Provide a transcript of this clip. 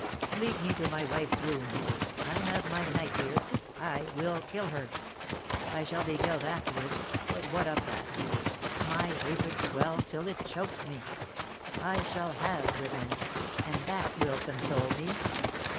Lead me to my wife's room; I have my knife here; I will kill her. I shall be killed afterwards; but what of that? My hatred swells till it chokes me; I shall have revenge, and that will console me.